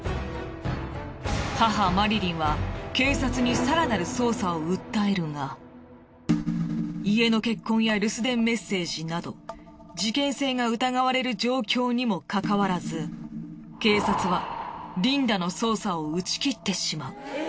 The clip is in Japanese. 母マリリンは警察にさらなる捜査を訴えるが家の血痕や留守電メッセージなど事件性が疑われる状況にもかかわらず警察はリンダの捜査を打ち切ってしまう。